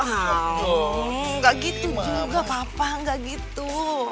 enggak gitu juga papa enggak gitu